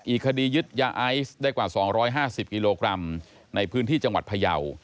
อีกคดียึดยาไอซ์ได้กว่า๒๕๐กิโลกรัมในพื้นที่จังหวัดพยาว